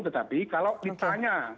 tetapi kalau ditanya